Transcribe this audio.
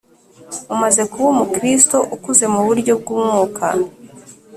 umaze kuba Umukristo ukuze mu buryo bw umwuka